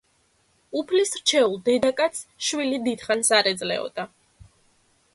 უფლის რჩეულ დედაკაცს შვილი დიდხანს არ ეძლეოდა.